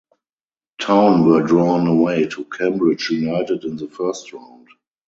Town were drawn away to Cambridge United in the first round.